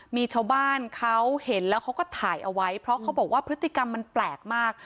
มีชาวบ้านเขาเห็นแล้วเขาก็ถ่ายเอาไว้เพราะเขาบอกว่าพฤติกรรมมันแปลกมาก